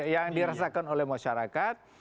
yang dirasakan oleh masyarakat